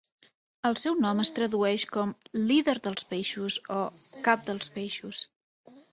El seu nom es tradueix com "Líder dels peixos" o "Cap dels peixos".